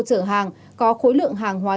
chở hàng có khối lượng hàng hóa